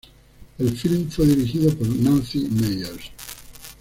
El filme fue dirigido por Nancy Meyers.